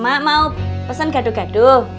mak mau pesen gaduh gaduh